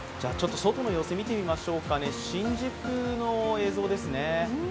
外の様子、見てみましょうか、新宿の映像ですね。